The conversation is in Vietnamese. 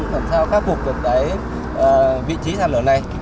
làm sao khắc phục được cái vị trí sạt lở này